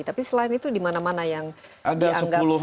tapi selain itu dimana mana yang dianggap sangat terawat ya